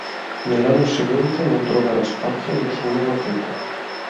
Nell'anno seguente non troverà spazio in nessuna partita.